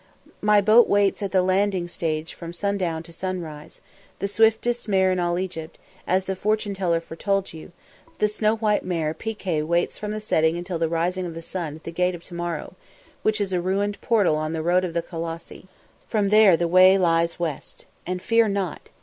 "My boat waits at the landing stage from sundown to sunrise, the swiftest mare in all Egypt, as the fortune teller foretold you, the snow white mare Pi Kay waits from the setting until the rising of the sun at the Gate of To morrow, which is a ruined portal on the road of the Colossi. From there the way lies west. And fear not."